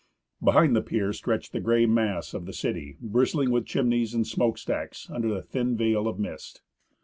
Behind the pier stretched the great gray mass of the city, bristling with chimneys and smoke stacks, under a thin veil of mist.